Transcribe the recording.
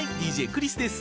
ＤＪクリスです！